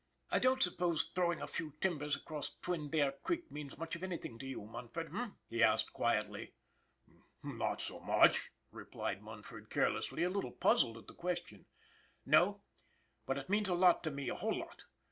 " I don't suppose throwing a few timbers across Twin Bear Creek means much of anything to you, Munford, eh? " he asked quietly. " Not so much," replied Munford carelessly, a little puzzled at the question. " No ? Well, it means a lot to me, a whole lot !